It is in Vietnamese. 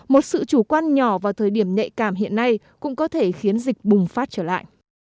một sự chủ quan nhỏ vào thời điểm nhạy cảm hiện nay cũng có thể khiến dịch bùng phát trở lại